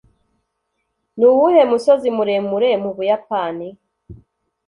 nuwuhe musozi muremure mu buyapani